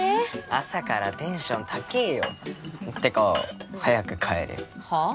朝からテンション高えよてか早く帰れよはあ？